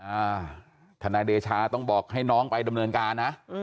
ทนายเดชาต้องบอกให้น้องไปดำเนินการนะ